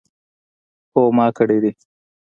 هو ما کړی دی